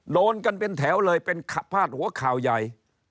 โดนกันเป็นแถวเลยเป็นพาดหัวข่าวใหญ่